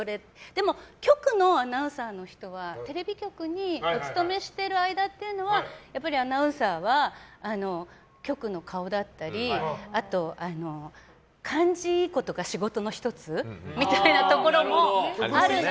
でも、局のアナウンサーの人はテレビ局にお勤めしている間というのはアナウンサーは局の顔だったり感じいいことが仕事の１つみたいなところもあるので。